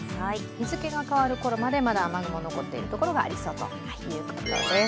日付が変わるころまで雨雲が残っているところがありそうです。